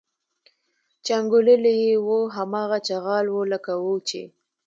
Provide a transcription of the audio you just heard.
چې انګوللي یې وو هماغه چغال و لکه وو چې.